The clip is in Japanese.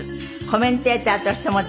コメンテーターとしても大活躍